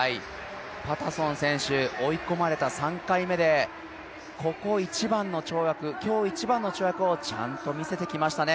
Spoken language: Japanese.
パタソン選手、追い込まれた３回目で、ここ一番の跳躍、今日一番の跳躍をちゃんと見せてきましたね。